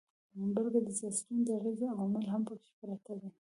بلکي د سياستونو د اغېز عوامل هم پکښې پراته دي